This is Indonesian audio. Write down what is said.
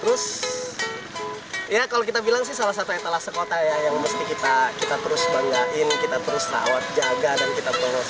terus ya kalau kita bilang sih salah satu etalase kota ya yang mesti kita terus banggain kita terus rawat jaga dan kita terus